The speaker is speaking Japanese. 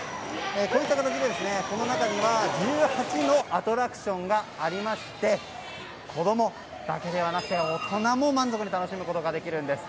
こういった形で１８のアトラクションがありまして子供だけではなくて大人も満足に楽しむことができるんです。